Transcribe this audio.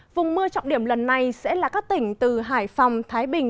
vùng mưa trọng điểm lần này sẽ là các tỉnh từ hải phòng thái bình